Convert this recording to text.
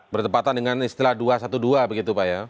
bertepatan dengan istilah dua ratus dua belas begitu pak ya